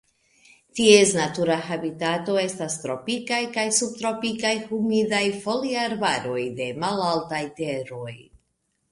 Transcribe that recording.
Ties natura habitato estas Tropikaj kaj subtropikaj humidaj foliarbaroj de malaltaj teroj.